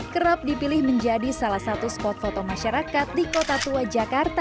kerap dipilih menjadi salah satu spot foto masyarakat di kota tua jakarta